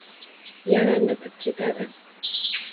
Yaram bitib ketadi.